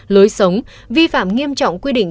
lối sống vi phạm nghiêm trọng quy định